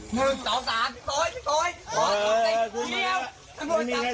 ไม่มีใครทำอะไรเมิง